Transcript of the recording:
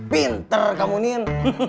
pinter kamu nin